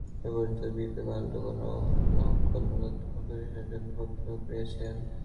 এ পর্যন্ত বিবে কানন্দ কোন না কোন দাতব্য প্রতিষ্ঠানের উপকারের জন্য বক্তৃতা করিয়াছেন।